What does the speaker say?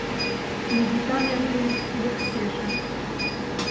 Мигитан эрге Элексеже